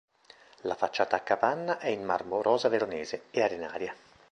La facciata a capanna è in marmo rosa veronese e arenaria.